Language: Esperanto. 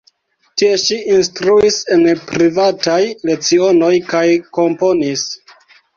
Tie ŝi instruis en privataj lecionoj kaj komponis.